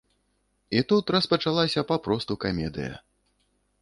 І тут распачалася папросту камедыя.